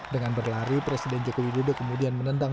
dengan berlari presiden joko widodo kemudian menendang